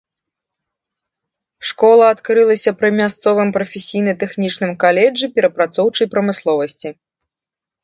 Школа адкрылася пры мясцовым прафесійна-тэхнічным каледжы перапрацоўчай прамысловасці.